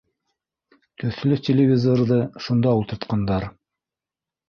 Төҫлө телевизорҙы шунда ултыртҡандар